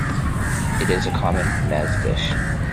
It is a common meze dish.